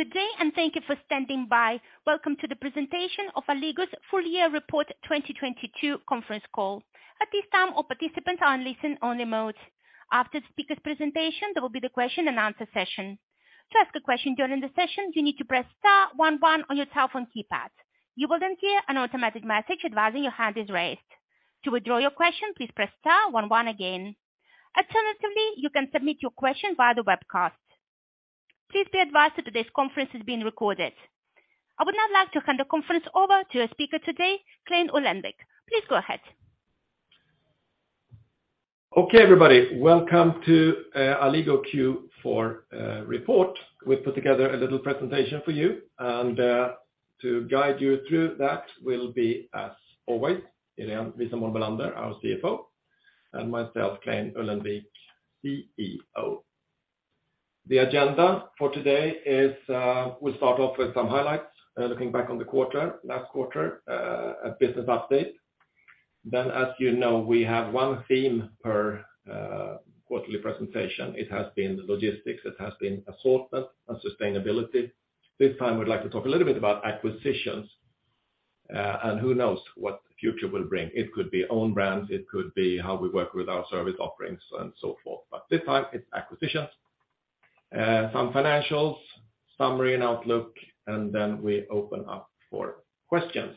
Good day and thank you for standing by. Welcome to the presentation of Alligo's Full Year Report 2022 Conference Call. At this time, all participants are on listen-only mode. After the speaker's presentation, there will be the question and answer session. To ask a question during the session, you need to press star one one on your telephone keypad. You will then hear an automatic message advising your hand is raised. To withdraw your question, please press star one one again. Alternatively, you can submit your question via the webcast. Please be advised that today's conference is being recorded. I would now like to hand the conference over to our speaker today, Clein Ullenvik. Please go ahead. Okay, everybody. Welcome to Alligo Q4 report. We've put together a little presentation for you, and to guide you through that will be, as always, Irene Wisenborn Bellander, our CFO, and myself, Clein Ullenvik, CEO. The agenda for today is, we start off with some highlights, looking back on the quarter, last quarter, a business update. As you know, we have one theme per quarterly presentation. It has been logistics, it has been assortment and sustainability. This time, we'd like to talk a little bit about acquisitions, and who knows what the future will bring. It could be own brands, it could be how we work with our service offerings and so forth. This time it's acquisitions. Some financials, summary and outlook, and then we open up for questions.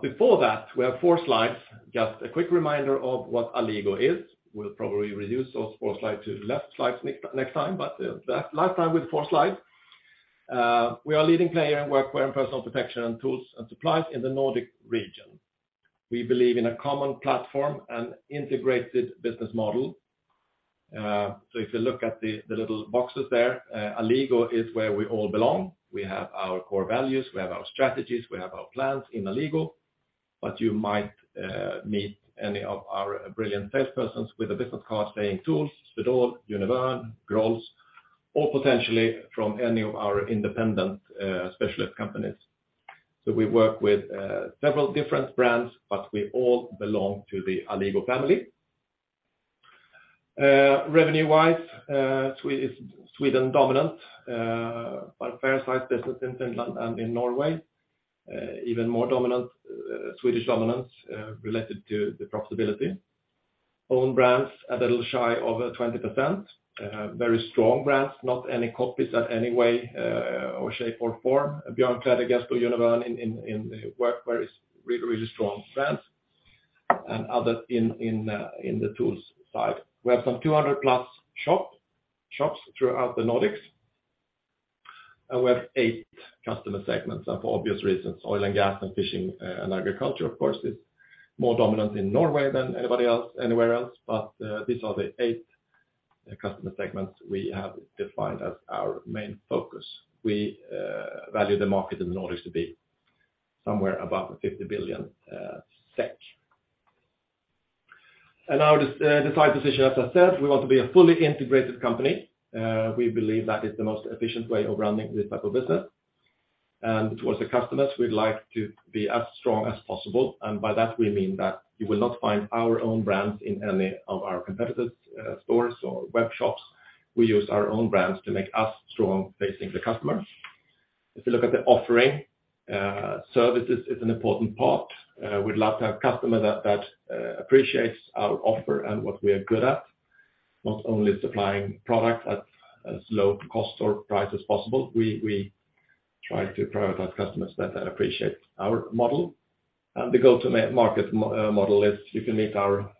Before that, we have four slides. Just a quick reminder of what Alligo is. We'll probably reduce those four slides to less slides next time. Last time with four slides. We are a leading player in workwear and personal protection and tools and supplies in the Nordic region. We believe in a common platform and integrated business model. If you look at the little boxes there, Alligo is where we all belong. We have our core values, we have our strategies, we have our plans in Alligo. You might meet any of our brilliant salespersons with a business card saying TOOLS, Swedol, Univern, Grolls, or potentially from any of our independent specialist companies. We work with several different brands, but we all belong to the Alligo family. Revenue-wise, Sweden dominant, but fair-sized business in Finland and in Norway. Even more dominant, Swedish dominance, related to the profitability. Own brands a little shy of 20%. Very strong brands, not any copies at any way, or shape or form. Björnkläder, Gesto, Univern in workwear is really strong brands and other in the TOOLS side. We have some 200+ shops throughout the Nordics, and we have eight customer segments for obvious reasons. Oil and gas and fishing, and agriculture, of course, is more dominant in Norway than anywhere else. These are the eight customer segments we have defined as our main focus. We, value the market in the Nordics to be somewhere above 50 billion SEK. Our decide position, as I said, we want to be a fully integrated company. We believe that is the most efficient way of running this type of business. Towards the customers, we'd like to be as strong as possible. By that we mean that you will not find our own brands in any of our competitors' stores or web shops. We use our own brands to make us strong facing the customers. If you look at the offering, services is an important part. We'd love to have customers that appreciates our offer and what we are good at, not only supplying product at as low cost or price as possible. We try to prioritize customers that appreciate our model. The go-to-market model is you can meet our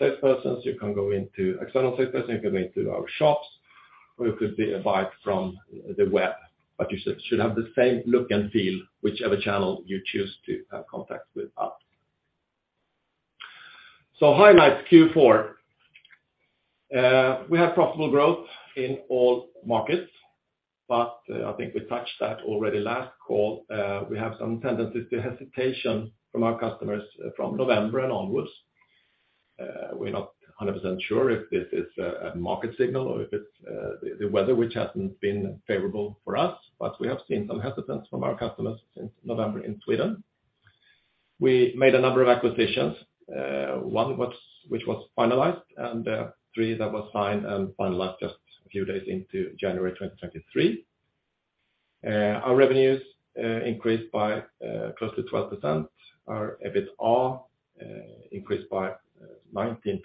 salespersons, you can go into external salespersons, you can go into our shops, or you could be a buy it from the web. You should have the same look and feel whichever channel you choose to have contact with us. Highlights Q4. We have profitable growth in all markets, but I think we touched that already last call. We have some tendencies to hesitation from our customers from November and onwards. We're not 100% sure if this is a market signal or if it's the weather which hasn't been favorable for us, but we have seen some hesitance from our customers since November in Sweden. We made a number of acquisitions. One which was finalized and three that was signed and finalized just a few days into January 2023. Our revenues increased by close to 12%. Our EBITA increased by 19%.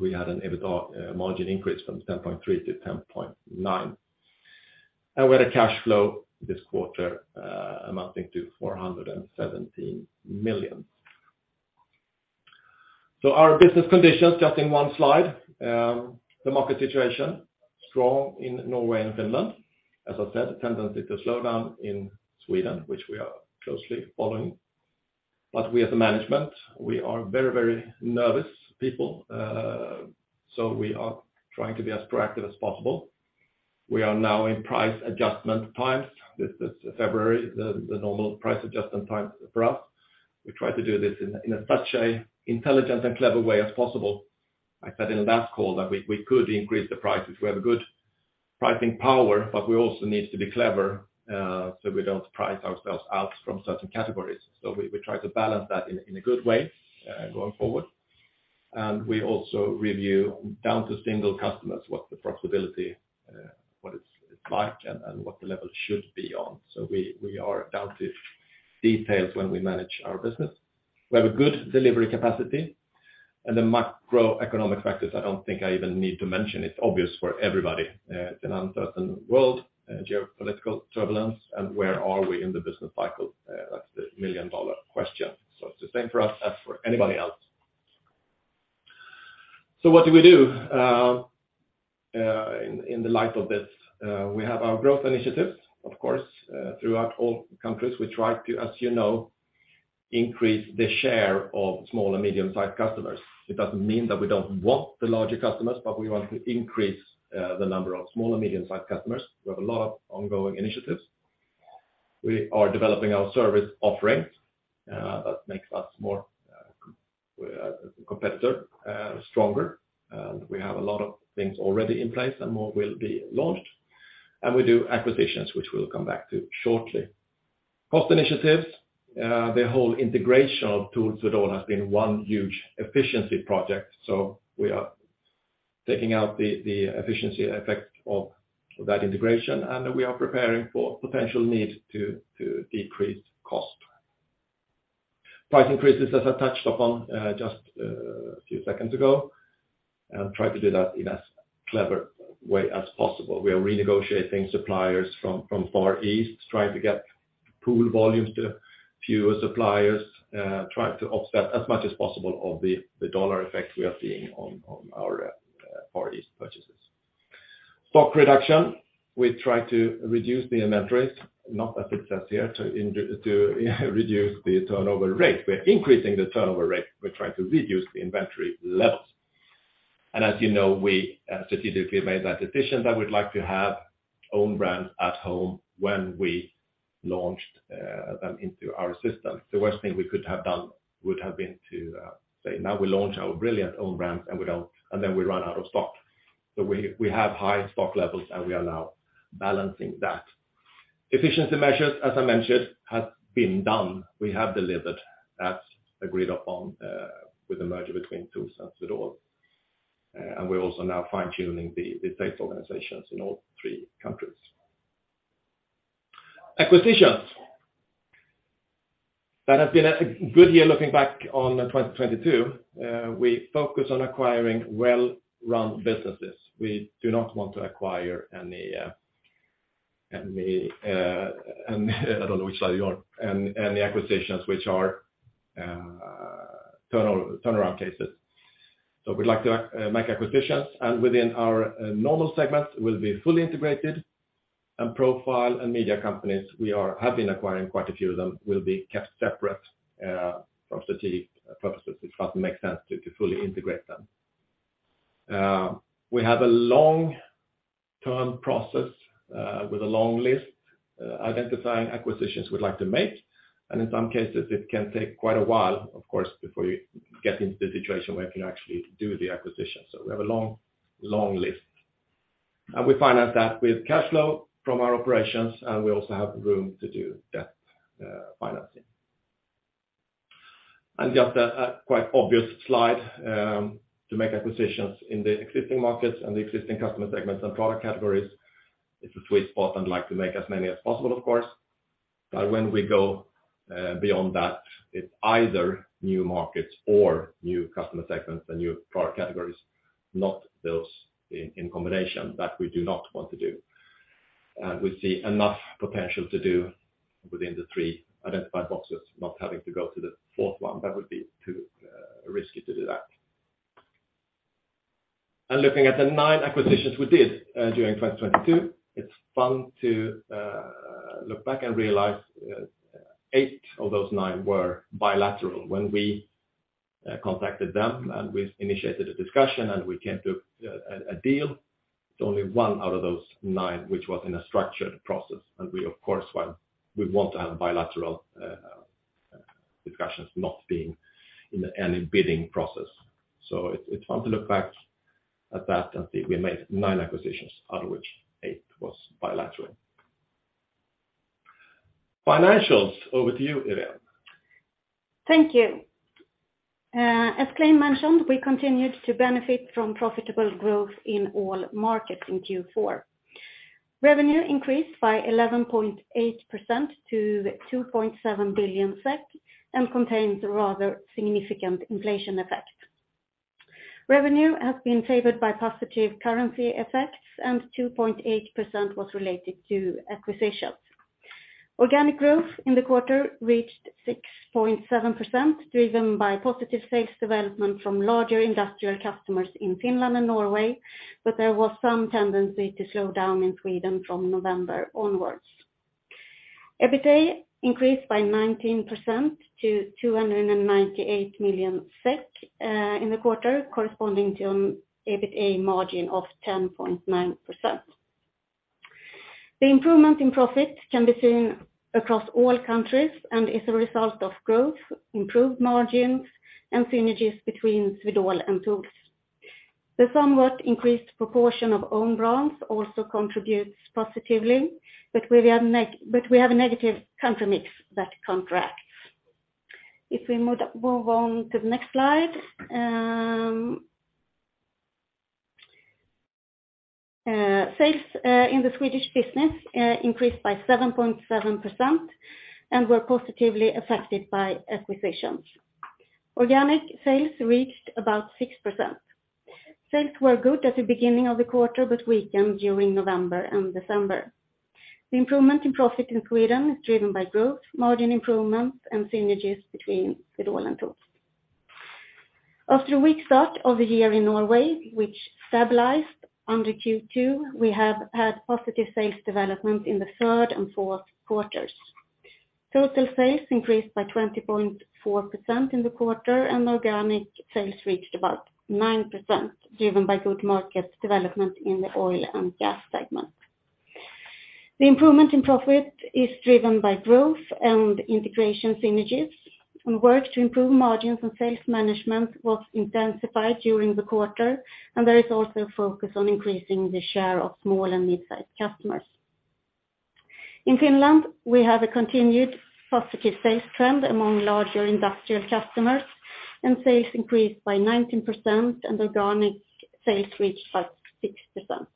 We had an EBITA margin increase from 10.3%-10.9%. We had a cash flow this quarter amounting to 417 million. Our business conditions, just in one slide, the market situation, strong in Norway and Finland. As I said, a tendency to slow down in Sweden, which we are closely following. We as a management, we are very, very nervous people. We are trying to be as proactive as possible. We are now in price adjustment times. This February, the normal price adjustment time for us. We try to do this in a such a intelligent and clever way as possible. I said in the last call that we could increase the prices. We have a good pricing power, but we also need to be clever, so we don't price ourselves out from certain categories. We try to balance that in a good way going forward. We also review down to single customers what the profitability, what it's like, and what the level should be on. We are down to details when we manage our business. We have a good delivery capacity. The macroeconomic factors, I don't think I even need to mention, it's obvious for everybody. It's an uncertain world, geopolitical turbulence, and where are we in the business cycle? That's the million-dollar question. It's the same for us as for anybody else. What do we do in the light of this? We have our growth initiatives, of course, throughout all countries. We try to, as you know, increase the share of small and medium-sized customers. It doesn't mean that we don't want the larger customers, but we want to increase the number of small and medium-sized customers. We have a lot of ongoing initiatives. We are developing our service offerings, that makes us more competitive, stronger. We have a lot of things already in place, and more will be launched. We do acquisitions, which we'll come back to shortly. Cost initiatives, the whole integration of TOOLS with Alligo has been one huge efficiency project, so we are taking out the efficiency effect of that integration, and we are preparing for potential need to decrease cost. Price increases, as I touched upon, just a few seconds ago, and try to do that in as clever way as possible. We are renegotiating suppliers from Far East, trying to get pool volumes to fewer suppliers, trying to offset as much as possible of the dollar effect we are seeing on our Far East purchases. Stock reduction, we try to reduce the inventory, not a success yet, to, you know, reduce the turnover rate. We're increasing the turnover rate. We're trying to reduce the inventory levels. As you know, we strategically made that decision that we'd like to have own brands at home when we launched them into our system. The worst thing we could have done would have been to say, now we launch our brilliant own brands, and then we run out of stock. We have high stock levels, and we are now balancing that. Efficiency measures, as I mentioned, has been done. We have delivered as agreed upon with the merger between TOOLS and Swedol. We're also now fine-tuning the sales organizations in all three countries. Acquisitions. That has been a good year looking back on 2022. We focus on acquiring well-run businesses. We do not want to acquire any... I don't know which side you are. Any acquisitions which are turnaround cases. We'd like to make acquisitions, and within our normal segments will be fully integrated. Profile and media companies, we have been acquiring quite a few of them, will be kept separate for strategic purposes. It doesn't make sense to fully integrate them. We have a long term process with a long list identifying acquisitions we'd like to make. In some cases, it can take quite a while, of course, before you get into the situation where you can actually do the acquisition. We have a long list. We finance that with cash flow from our operations, and we also have room to do debt financing. Just a quite obvious slide to make acquisitions in the existing markets and the existing customer segments and product categories. It's a sweet spot and like to make as many as possible, of course. When we go beyond that, it's either new markets or new customer segments and new product categories, not those in combination. That we do not want to do. We see enough potential to do within the 3 identified boxes, not having to go to the 4th 1. That would be too risky to do that. Looking at the 9 acquisitions we did during 2022, it's fun to look back and realize 8 of those 9 were bilateral. When we contacted them, and we initiated a discussion, and we came to a deal, it's only 1 out of those 9 which was in a structured process. We of course want to have bilateral discussions not being in any bidding process. It's fun to look back at that and see we made 9 acquisitions, out of which 8 was bilateral. Financials, over to you, Irene. Thank you. As Claes mentioned, we continued to benefit from profitable growth in all markets in Q4. Revenue increased by 11.8% to 2.7 billion SEK and contains rather significant inflation effects. Revenue has been favored by positive currency effects, and 2.8% was related to acquisitions. Organic growth in the quarter reached 6.7%, driven by positive sales development from larger industrial customers in Finland and Norway, but there was some tendency to slow down in Sweden from November onwards. EBITA increased by 19% to 298 million SEK in the quarter, corresponding to an EBITA margin of 10.9%. The improvement in profit can be seen across all countries and is a result of growth, improved margins, and synergies between Swedol and TOOLS. The somewhat increased proportion of own brands also contributes positively, but we have a negative country mix that contracts. If we move on to the next slide. Sales in the Swedish business increased by 7.7% and were positively affected by acquisitions. Organic sales reached about 6%. Sales were good at the beginning of the quarter but weakened during November and December. The improvement in profit in Sweden is driven by growth, margin improvements, and synergies between Swedol and TOOLS. After a weak start of the year in Norway, which stabilized under Q2, we have had positive sales development in the third and fourth quarters. Total sales increased by 20.4% in the quarter. Organic sales reached about 9%, driven by good market development in the oil and gas segment. The improvement in profit is driven by growth and integration synergies. Work to improve margins and sales management was intensified during the quarter. There is also a focus on increasing the share of small and mid-sized customers. In Finland, we have a continued positive sales trend among larger industrial customers. Sales increased by 19%, and organic sales reached by 6%.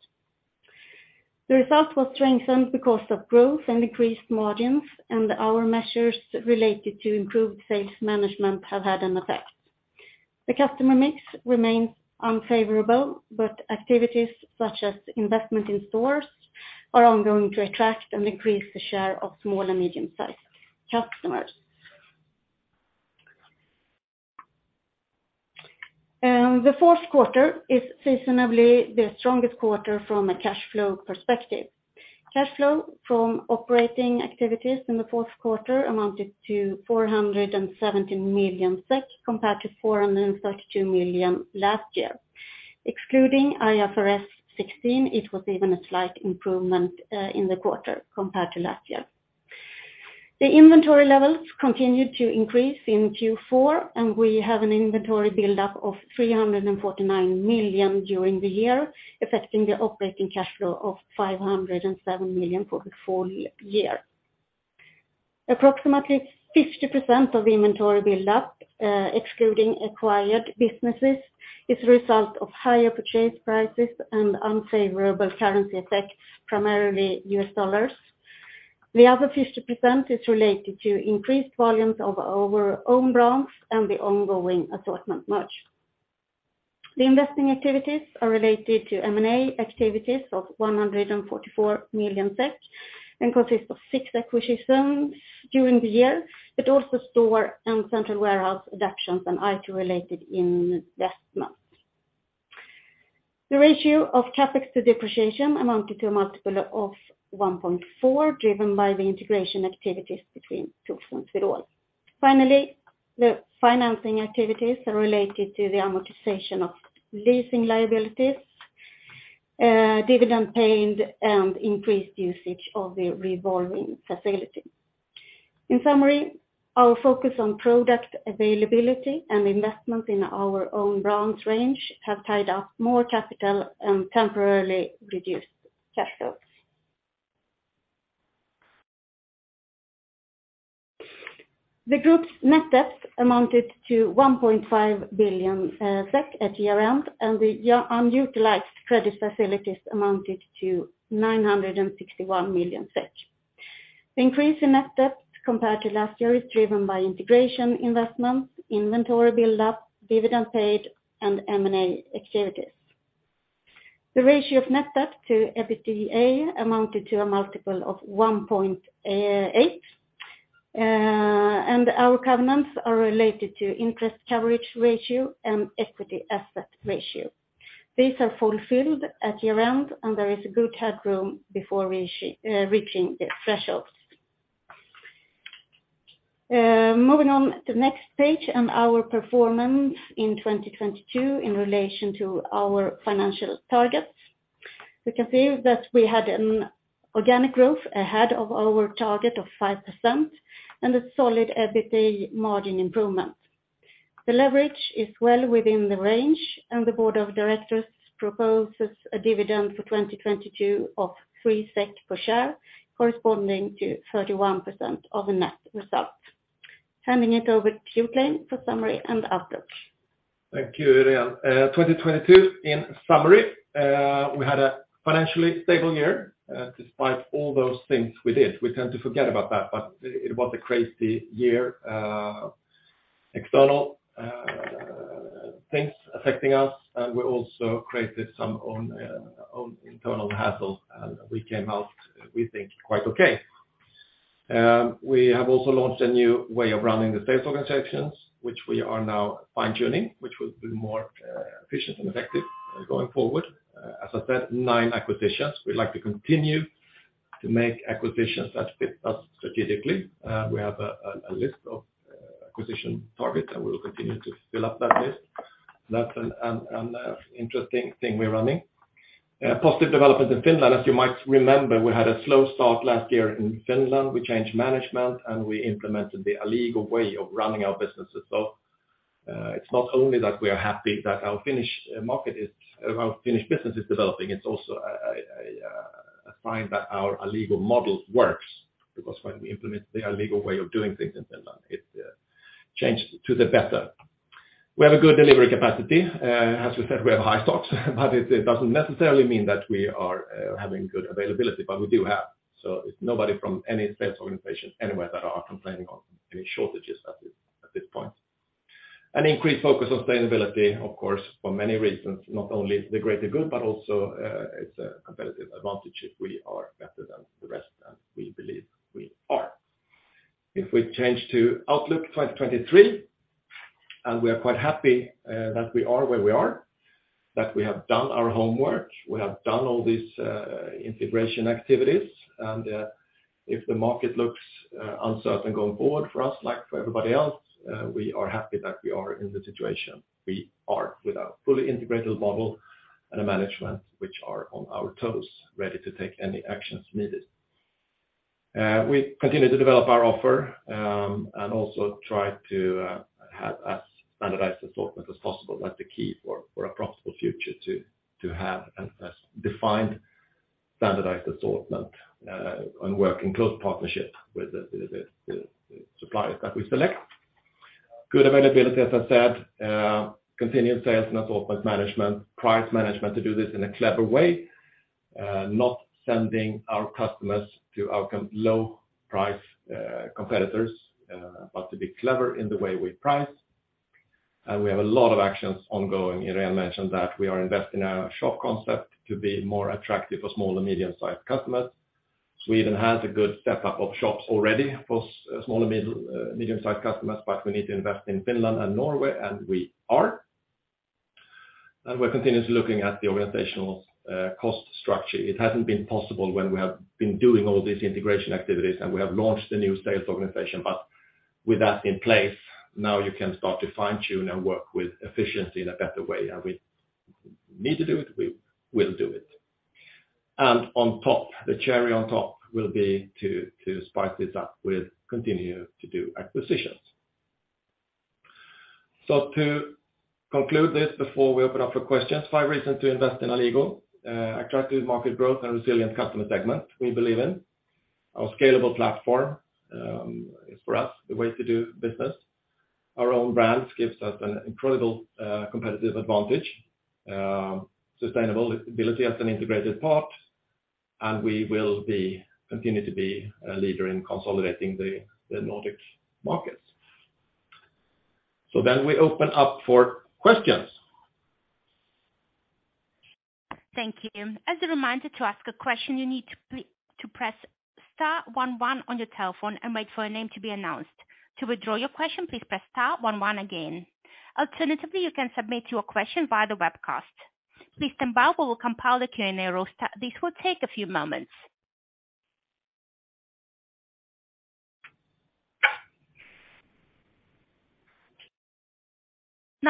The result was strengthened because of growth and increased margins. Our measures related to improved sales management have had an effect. The customer mix remains unfavorable. Activities such as investment in stores are ongoing to attract and increase the share of small and medium-sized customers. The fourth quarter is seasonably the strongest quarter from a cash flow perspective. Cash flow from operating activities in the fourth quarter amounted to 470 million SEK compared to 432 million last year. Excluding IFRS 16, it was even a slight improvement in the quarter compared to last year. The inventory levels continued to increase in Q4, and we have an inventory build-up of 349 million during the year, affecting the operating cash flow of 507 million for the full year. Approximately 50% of inventory build-up, excluding acquired businesses, is a result of higher purchase prices and unfavorable currency effects, primarily US dollars. The other 50% is related to increased volumes of our own brands and the ongoing assortment merge. The investing activities are related to M&A activities of 144 million SEK and consists of six acquisitions during the year, but also store and central warehouse adaptations and IT-related investments. The ratio of CapEx depreciation amounted to a multiple of 1.4, driven by the integration activities between TOOLS and Swedol. Finally, the financing activities are related to the amortization of leasing liabilities, dividend paid, and increased usage of the revolving facility. In summary, our focus on product availability and investment in our own brands range have tied up more capital and temporarily reduced cash flows. The group's net debt amounted to 1.5 billion SEK at year-end, and the unutilized credit facilities amounted to 961 million SEK. The increase in net debt compared to last year is driven by integration investments, inventory build-up, dividend paid, and M&A activities. The ratio of net debt to EBITDA amounted to a multiple of 1.8. Our covenants are related to interest coverage ratio and equity asset ratio. These are fulfilled at year-end. There is a good headroom before reaching the thresholds. Moving on to the next page and our performance in 2022 in relation to our financial targets. We can see that we had an organic growth ahead of our target of 5% and a solid EBITDA margin improvement. The leverage is well within the range. The board of directors proposes a dividend for 2022 of 3 SEK per share, corresponding to 31% of the net results. Handing it over to Johan for summary and outlook. Thank you, Irene. 2022 in summary, we had a financially stable year, despite all those things we did. We tend to forget about that, it was a crazy year. External things affecting us, we also created some own internal hassles, we came out, we think, quite okay. We have also launched a new way of running the sales organizations, which we are now fine-tuning, which will be more efficient and effective going forward. As I said, 9 acquisitions. We'd like to continue to make acquisitions that fit us strategically. We have a list of acquisition targets, we will continue to fill up that list. That's an interesting thing we're running. Positive development in Finland, as you might remember, we had a slow start last year in Finland. We changed management, and we implemented the Alligo way of running our business as well. It's not only that we are happy that our Finnish business is developing, it's also a sign that our Alligo model works because when we implement the Alligo way of doing things in Finland, it changed to the better. We have a good delivery capacity. As we said, we have high stocks, but it doesn't necessarily mean that we are having good availability, but we do have. It's nobody from any sales organization anywhere that are complaining of any shortages at this point. An increased focus on sustainability, of course, for many reasons, not only the greater good, but also, it's a competitive advantage if we are better than the rest, and we believe we are. If we change to outlook 2023, we are quite happy that we are where we are, that we have done our homework, we have done all these integration activities. If the market looks uncertain going forward for us, like for everybody else, we are happy that we are in the situation we are with a fully integrated model and a management which are on our toes, ready to take any actions needed. We continue to develop our offer and also try to have as standardized assortment as possible. That's the key for a profitable future to have a defined standardized assortment and work in close partnership with the suppliers that we select. Good availability, as I said. Continued sales and assortment management. Price management to do this in a clever way. Not sending our customers to our low-price competitors, but to be clever in the way we price. We have a lot of actions ongoing. Irene mentioned that we are investing in our shop concept to be more attractive for small- and medium-sized customers. Sweden has a good step-up of shops already for small and medium-sized customers, but we need to invest in Finland and Norway, and we are. We're continuously looking at the organizational cost structure. It hasn't been possible when we have been doing all these integration activities, and we have launched the new sales organization. With that in place, now you can start to fine-tune and work with efficiency in a better way. We need to do it, we will do it. On top, the cherry on top will be to spice this up with continue to do acquisitions. To conclude this before we open up for questions, five reasons to invest in Alligo. Attractive market growth and resilient customer segment, we believe in. Our scalable platform is for us the way to do business. Our own brands gives us an incredible competitive advantage. Sustainability as an integrated part, and we will continue to be a leader in consolidating the Nordic markets. We open up for questions. Thank you. As a reminder to ask a question, you need to press star one one on your telephone and wait for a name to be announced. To withdraw your question, please press star one one again. Alternatively, you can submit your question via the webcast. Please stand by while we compile the Q&A roster. This will take a few moments.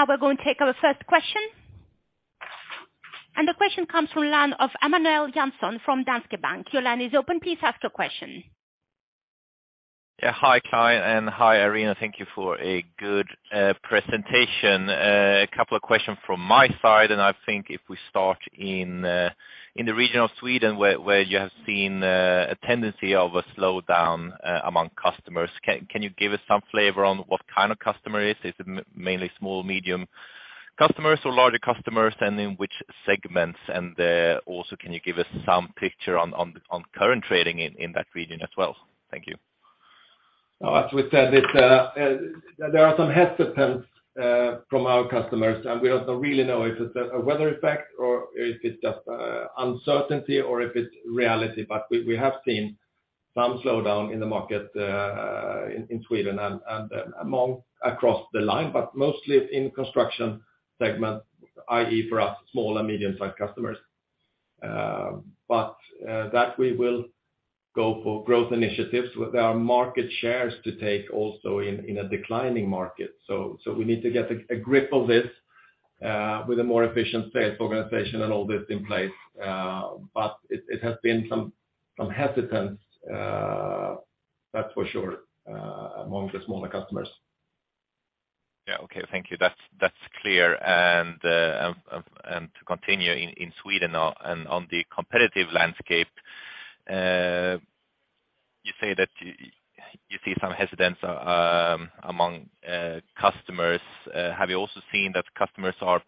We're going to take our first question. The question comes from line of Emanuel Jansson from Danske Bank. Your line is open. Please ask your question. Yeah. Hi, Clein, and hi, Irene. Thank you for a good presentation. A couple of questions from my side, and I think if we start in the region of Sweden where you have seen a tendency of a slowdown among customers. Can you give us some flavor on what kind of customer it is? Is it mainly small or medium customers or larger customers, and in which segments? Also, can you give us some picture on current trading in that region as well? Thank you. As we said, it's... There are some hesitance from our customers, and we don't really know if it's a weather effect or if it's just uncertainty or if it's reality. We, we have seen some slowdown in the market in Sweden and across the line, but mostly in construction segment, i.e., for us, small- and medium-sized customers. That we will go for growth initiatives with our market shares to take also in a declining market. We need to get a grip of this with a more efficient sales organization and all this in place. It has been some hesitance, that's for sure, among the smaller customers. Yeah. Okay. Thank you. That's clear. To continue in Sweden on the competitive landscape, you say that you see some hesitance among customers. Have you also seen that customers are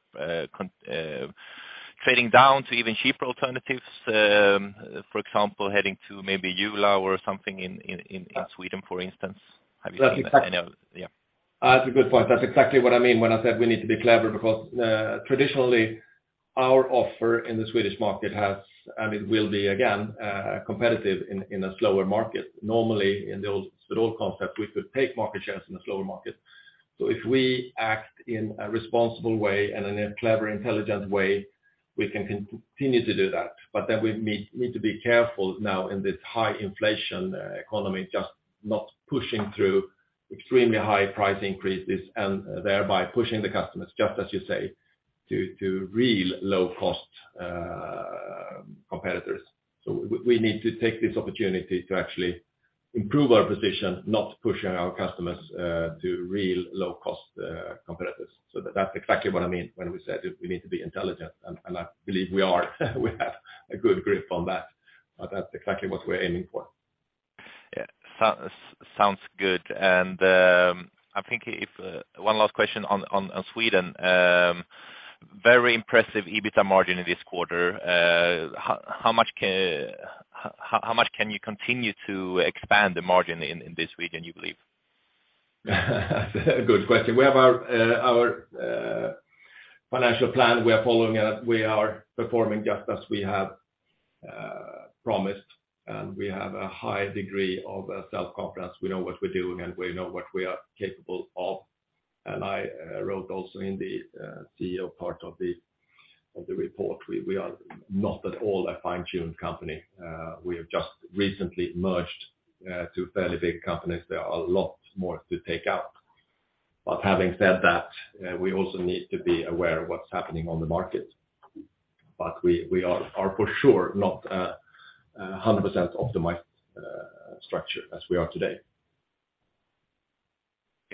trading down to even cheaper alternatives? For example, heading to maybe Jula or something in Sweden, for instance. Have you seen any of- That's exactly. Yeah. That's a good point. That's exactly what I mean when I said we need to be clever because traditionally, our offer in the Swedish market has, and it will be again, competitive in a slower market. Normally, in the old Swedol concept, we could take market shares in a slower market. If we act in a responsible way and in a clever, intelligent way, we can continue to do that. We need to be careful now in this high inflation economy, just not pushing through extremely high price increases and thereby pushing the customers, just as you say, to real low-cost competitors. We need to take this opportunity to actually improve our position, not pushing our customers to real low-cost competitors. That's exactly what I mean when we said that we need to be intelligent, and I believe we are. We have a good grip on that, but that's exactly what we're aiming for. Yeah. Sounds good. I'm thinking if one last question on Sweden. Very impressive EBITDA margin in this quarter. How much can you continue to expand the margin in this region, you believe? Good question. We have our financial plan we are following, we are performing just as we have promised, and we have a high degree of self-confidence. We know what we're doing, and we know what we are capable of. I wrote also in the CEO part of the report, we are not at all a fine-tuned company. We have just recently merged two fairly big companies. There are a lot more to take out. Having said that, we also need to be aware of what's happening on the market. We are for sure not a 100% optimized structure as we are today.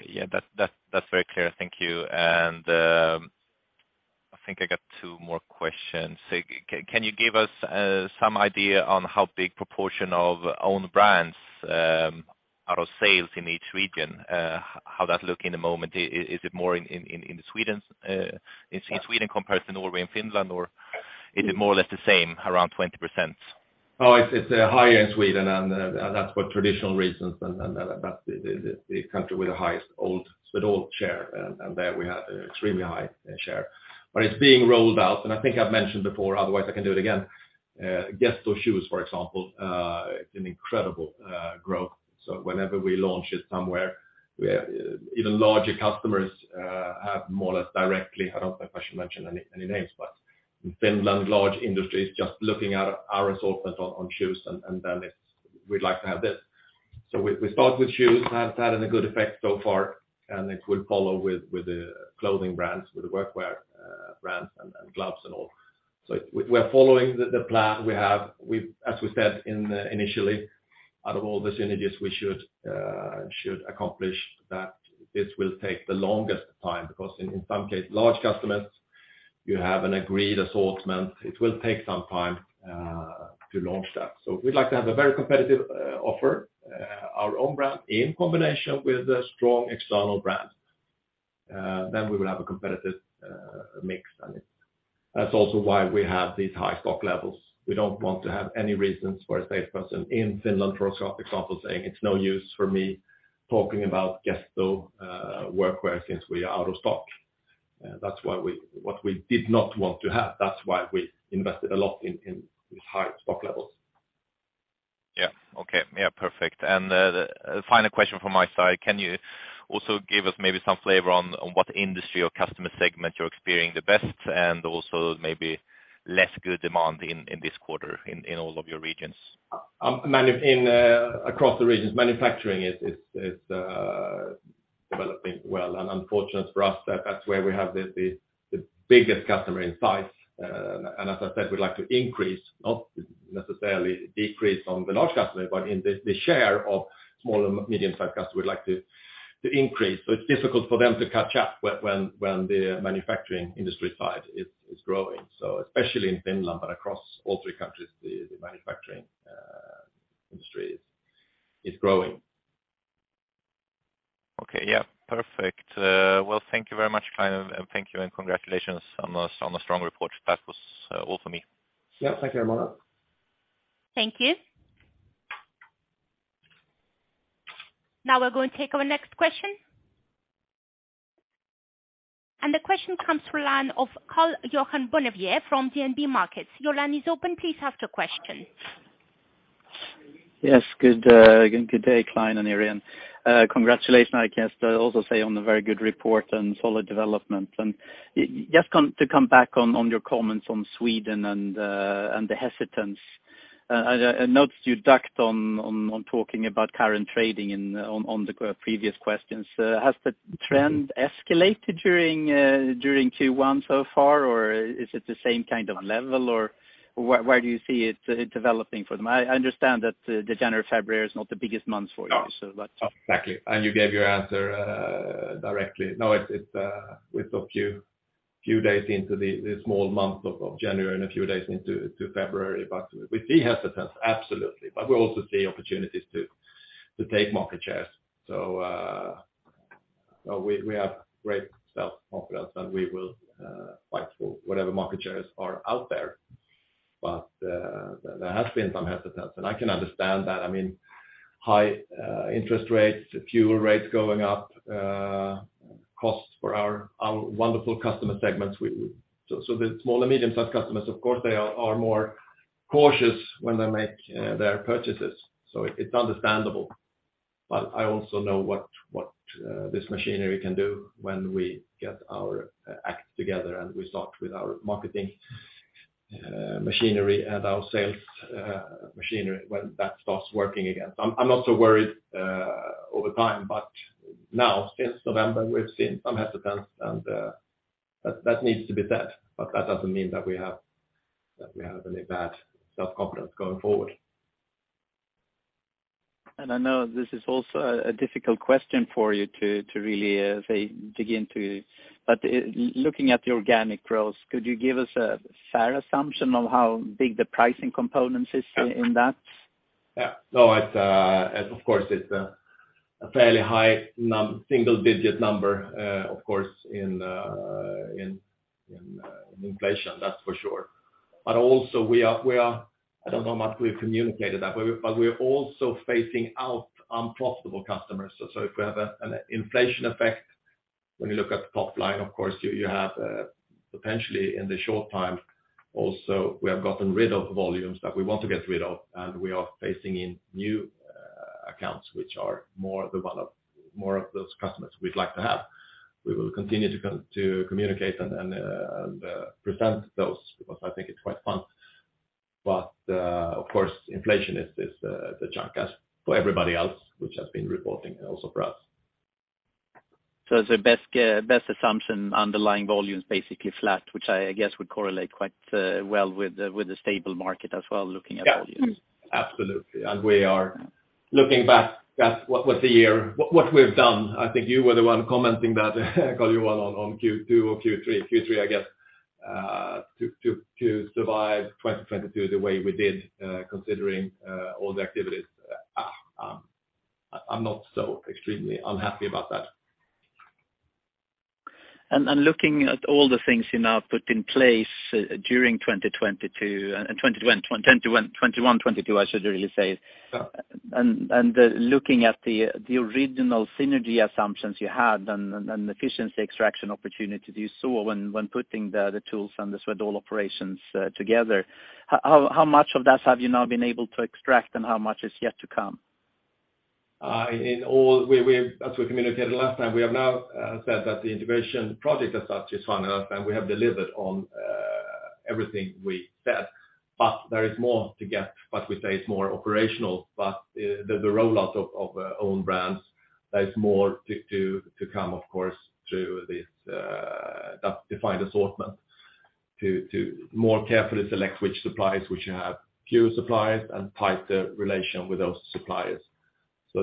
Yeah. That's very clear. Thank you. I think I got two more questions. Can you give us some idea on how big proportion of own brands are on sales in each region? How that look in the moment? Is it more in Sweden? In Sweden compared to Norway and Finland, or is it more or less the same, around 20%? It's higher in Sweden and that's for traditional reasons and that's the country with the highest old Swedol share, and there we have extremely high share. It's being rolled out, and I think I've mentioned before, otherwise I can do it again. Gesto Shoes, for example, an incredible growth. Whenever we launch it somewhere, even larger customers have more or less directly... I don't know if I should mention any names, but in Finland, large industries just looking at our assortment on shoes and then it's, "We'd like to have this." We start with shoes. That's had a good effect so far, and it will follow with the clothing brands, with the workwear brands and gloves and all. We're following the plan we have. As we said initially, out of all the synergies we should accomplish, that this will take the longest time because in some case, large customers, you have an agreed assortment. It will take some time to launch that. We'd like to have a very competitive offer, our own brand in combination with a strong external brand. We will have a competitive mix. That's also why we have these high stock levels. We don't want to have any reasons for a salesperson in Finland, for example, saying, "It's no use for me talking about Gesto workwear since we are out of stock." That's why we did not want to have. That's why we invested a lot in high stock levels. Yeah. Okay. Yeah, perfect. The final question from my side, can you also give us maybe some flavor on what industry or customer segment you're experiencing the best and also maybe less good demand in this quarter in all of your regions? Across the regions, manufacturing is developing well. Unfortunately for us, that's where we have the biggest customer in size. As I said, we'd like to increase, not necessarily decrease on the large customer, but in the share of small and medium-sized customer, we'd like to increase. It's difficult for them to catch up when the manufacturing industry side is growing. Especially in Finland, but across all three countries, the manufacturing industry is growing. Okay. Yeah. Perfect. Well, thank you very much, Clein, and thank you and congratulations on the, on the strong report. That was all for me. Yeah. Thank you, Armando. Thank you. Now we're going to take our next question. The question comes from line of Karl-Johan Bonnevier from DNB Markets. Your line is open. Please ask your question. Yes. Good day, Clein and Irene. Congratulations, I guess, I also say on the very good report and solid development. Yes, to come back on your comments on Sweden and the hesitance, I noticed you ducked on talking about current trading in on the pre-previous questions. Has the trend escalated during Q1 so far, or is it the same kind of level, or where do you see it developing for them? I understand that the January, February is not the biggest month for you. Exactly. You gave your answer directly. It's with a few days into the small month of January and a few days into February. We see hesitance, absolutely. We also see opportunities to take market shares. We have great self-confidence, and we will fight for whatever market shares are out there. There has been some hesitance, and I can understand that. I mean, high interest rates, fuel rates going up, costs for our wonderful customer segments. The small and medium-sized customers, of course, they are more cautious when they make their purchases. It's understandable. I also know what this machinery can do when we get our act together, and we start with our marketing machinery and our sales machinery when that starts working again. I'm not so worried over time, but now since November we've seen some hesitance and that needs to be said. That doesn't mean that we have any bad self-confidence going forward. I know this is also a difficult question for you to really dig into. But, looking at the organic growth, could you give us a fair assumption on how big the pricing components is in that? Yeah, no, it's, it of course it's a fairly high single digit number, of course in inflation, that's for sure. Also we are. I don't know how much we've communicated that, we're also phasing out unprofitable customers. If we have a, an inflation effect, when you look at the top line, of course you have, potentially in the short time also we have gotten rid of volumes that we want to get rid of, and we are phasing in new accounts, which are more developed, more of those customers we'd like to have. We will continue to communicate and present those because I think it's quite fun. Of course inflation is the chunk as for everybody else which has been reporting also for us. As a best assumption underlying volumes basically flat, which I guess would correlate quite well with the stable market as well, looking at volumes. Yeah. Absolutely. We are looking back at what the year, what we've done. I think you were the one commenting that Karl-Johan Q2 or Q3. Q3, I guess, to survive 2022 the way we did, considering all the activities. I'm not so extremely unhappy about that. Looking at all the things you now put in place, during 2022, in 2021, 2022, I should really say. Yeah And the, looking at the original synergy assumptions you had and efficiency extraction opportunities you saw when putting the TOOLS and the Swedol operations together, how much of that have you now been able to extract and how much is yet to come? In all we've... As we communicated last time, we have now said that the integration project as such is funneled and we have delivered on everything we said. There is more to get, but we say it's more operational. The rollout of own brands, there's more to come, of course, through this that defined assortment to more carefully select which suppliers we should have, fewer suppliers and tighter relation with those suppliers.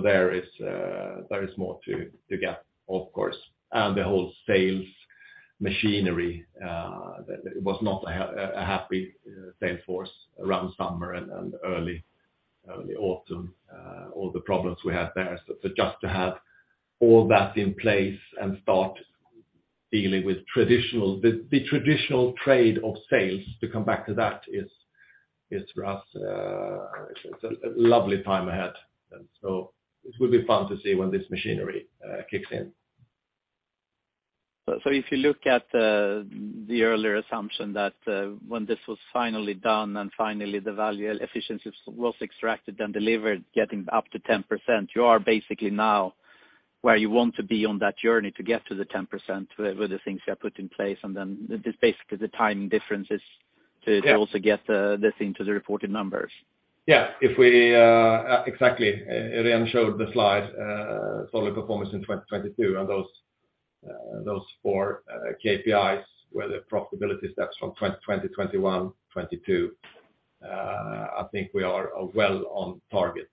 There is more to get, of course. The whole sales machinery that was not a happy sales force around summer and early autumn. All the problems we had there. Just to have all that in place and start dealing with traditional... The traditional trade of sales, to come back to that, is for us, it's a lovely time ahead. It will be fun to see when this machinery kicks in. If you look at the earlier assumption that when this was finally done and finally the value efficiencies was extracted and delivered, getting up to 10%, you are basically now where you want to be on that journey to get to the 10% with the things you have put in place. Then this basically the timing difference is. Yeah. To also get, this into the reported numbers. Yeah. If we exactly. Irene showed the slide, solid performance in 2022 and those 4 KPIs were the profitability steps from 2021, '22. I think we are well on target.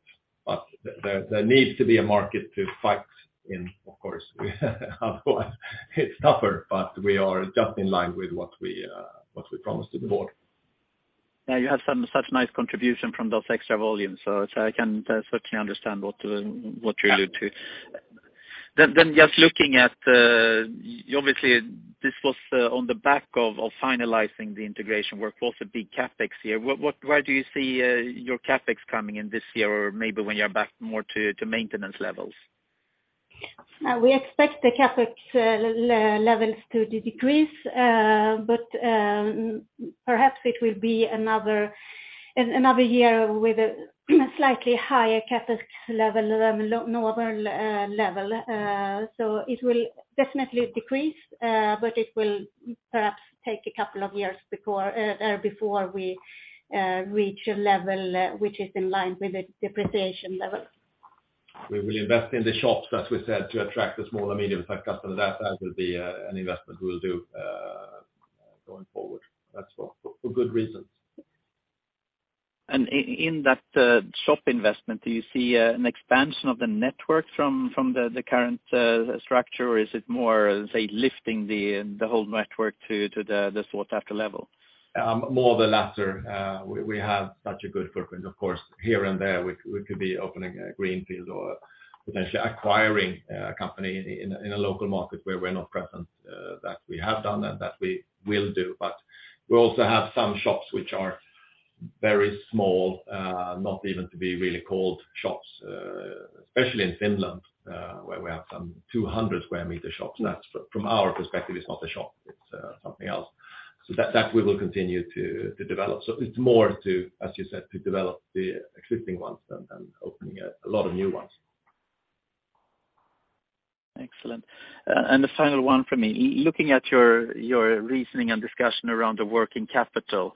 There needs to be a market to fight in, of course. Otherwise it's tougher, but we are just in line with what we what we promised to the board. Yeah, you had some such nice contribution from those extra volumes, so I can certainly understand what you're allude to. Yeah. Just looking at, obviously this was, on the back of finalizing the integration work, was a big CapEx year. Where do you see your CapEx coming in this year or maybe when you're back more to maintenance levels? We expect the CapEx levels to decrease, but perhaps it will be another year with a slightly higher CapEx level than normal level. It will definitely decrease, but it will perhaps take a couple of years before we reach a level which is in line with the depreciation level. We will invest in the shops, as we said, to attract the small and medium type customer. That will be an investment we'll do going forward. That's for good reasons. In that shop investment, do you see an expansion of the network from the current structure, or is it more, say, lifting the whole network to the sought after level? More the latter. We have such a good footprint. Of course, here and there we could be opening a greenfield or potentially acquiring a company in a local market where we are not present, that we have done and that we will do. We also have some shops which are very small, not even to be really called shops, especially in Finland, where we have some 200 square meter shops. That's. From our perspective, it's not a shop, it's something else. That we will continue to develop. It's more to, as you said, to develop the existing ones than opening a lot of new ones. Excellent. And the final one for me. Looking at your reasoning and discussion around the working capital,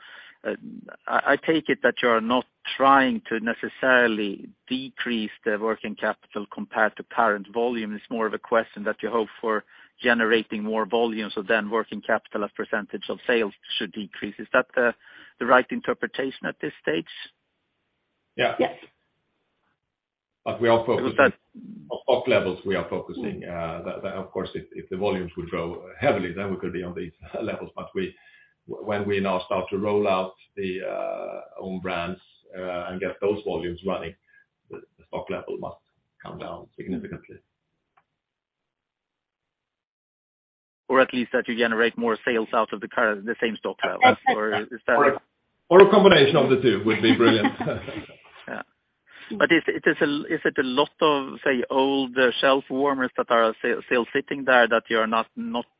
I take it that you're not trying to necessarily decrease the working capital compared to current volume. It's more of a question that you hope for generating more volume, so then working capital as % of sales should decrease. Is that the right interpretation at this stage? Yeah. Yes. We are focusing. It was. Stock levels we are focusing. That of course, if the volumes will grow heavily, then we could be on these levels, but when we now start to roll out the own brands, and get those volumes running, the stock level must come down significantly. At least that you generate more sales out of the same stock levels. A combination of the two would be brilliant. Yeah. Is it a lot of, say, old shelf warmers that are still sitting there that you're not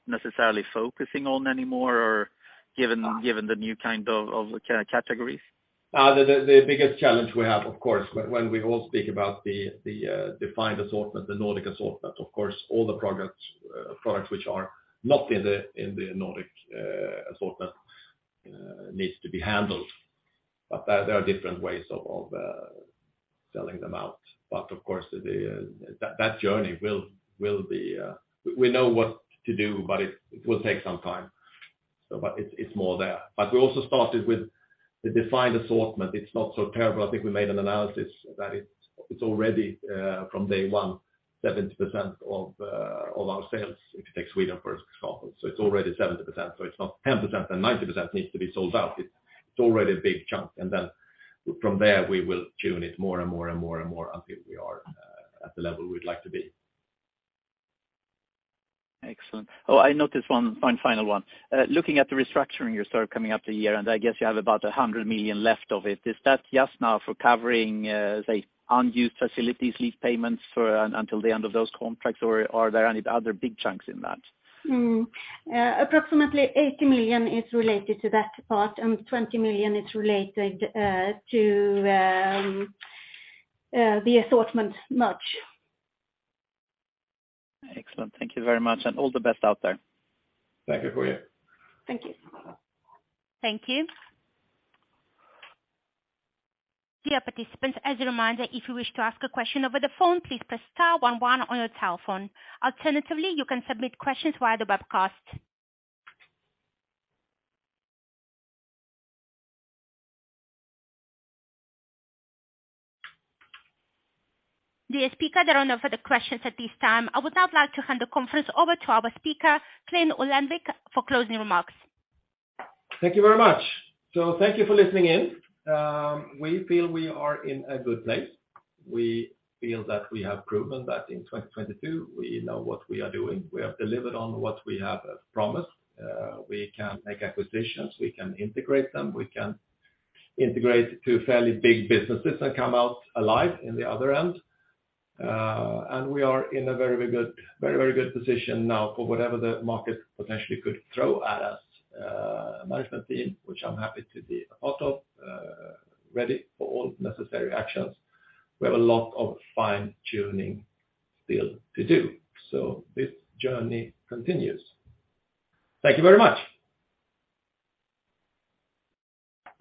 necessarily focusing on anymore given the new kind of categories? The biggest challenge we have, of course, when we all speak about the defined assortment, the Nordic assortment, of course, all the products which are not in the Nordic assortment needs to be handled. There are different ways of selling them out. Of course, that journey will be, we know what to do, but it will take some time. It's more there. We also started with the defined assortment. It's not so terrible. I think we made an analysis that it's already from day one, 70% of our sales, if you take Sweden for example. It's already 70%. It's not 10% and 90% needs to be sold out. It's already a big chunk. From there, we will tune it more and more and more and more until we are at the level we'd like to be. Excellent. I noticed one final one. Looking at the restructuring you started coming up the year, I guess you have about 100 million left of it. Is that just now for covering, say, unused facilities, lease payments until the end of those contracts? Are there any other big chunks in that? Approximately 80 million is related to that part, and 20 million is related to the assortment merge. Excellent. Thank you very much, and all the best out there. Thank you for your. Thank you. Thank you. Dear participants, as a reminder, if you wish to ask a question over the phone, please press star one one on your telephone. Alternatively, you can submit questions via the webcast. Dear speaker, there are no further questions at this time. I would now like to hand the conference over to our speaker, Clein Ullenvik, for closing remarks. Thank you very much. Thank you for listening in. We feel we are in a good place. We feel that we have proven that in 2022, we know what we are doing. We have delivered on what we have promised. We can make acquisitions, we can integrate them, we can integrate two fairly big businesses and come out alive in the other end. We are in a very, very good position now for whatever the market potentially could throw at us. Management team, which I'm happy to be a part of, ready for all necessary actions. We have a lot of fine-tuning still to do. This journey continues. Thank you very much.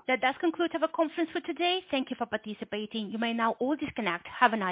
That does conclude our conference for today. Thank you for participating. You may now all disconnect. Have a nice day.